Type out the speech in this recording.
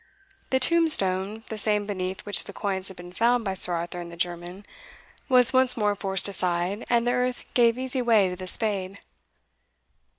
The tombstone, the same beneath which the coins had been found by Sir Arthur and the German, was once more forced aside, and the earth gave easy way to the spade.